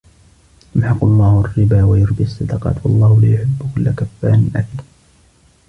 يمحق الله الربا ويربي الصدقات والله لا يحب كل كفار أثيم